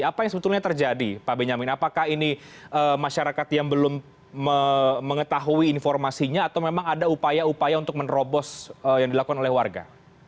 apa yang sebetulnya terjadi pak benyamin apakah ini masyarakat yang belum mengetahui informasinya atau memang ada upaya upaya untuk menerobos yang dilakukan oleh warga